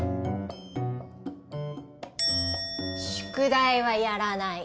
宿題はやらない。